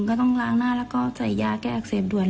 ครับมาหยิบกี่จุด